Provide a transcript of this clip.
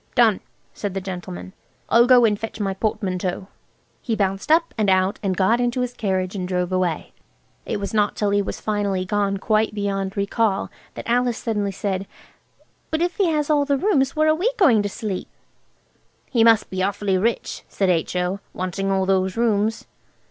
"Done!" said the gentleman. "I'll go and fetch my portmanteaus." He bounced up and out and got into his carriage drove away. It was not till he was finally gone quite beyond recall that Alice suddenly said– "But if he has all the rooms where are we to sleep?" "He must be awfully rich," said H.O., "wanting all those rooms."